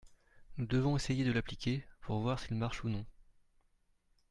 Nous devons essayer de l’appliquer, pour voir s’il marche ou non.